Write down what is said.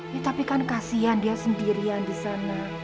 ya tapi kan kasihan dia sendirian disana